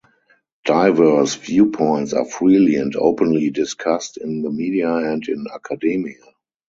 Diverse viewpoints are freely and openly discussed in the media and in academia.